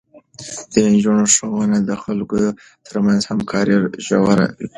د نجونو ښوونه د خلکو ترمنځ همکاري ژوره کوي.